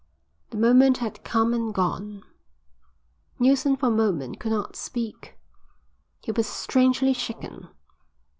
The moment had come and gone. Neilson for a moment could not speak. He was strangely shaken.